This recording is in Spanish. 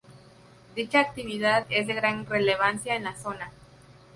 Dicha actividad es de gran relevancia en la zona.